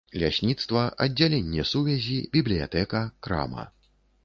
Лясніцтва, аддзяленне сувязі, бібліятэка, крама.